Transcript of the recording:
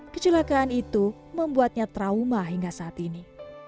kecelakaan itu membuatnya trauma hingga saat ini